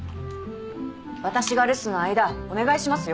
私が留守の間お願いしますよ。